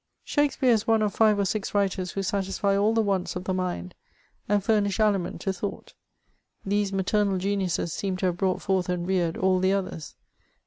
Shakspeare is one of five or six writers who satisfy all the wants of the mind, and furnish aliment to thought ; these maternal geniuses seem to have brought forth and reared all the others.